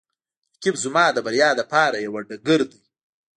رقیب زما د بریا لپاره یوه ډګر دی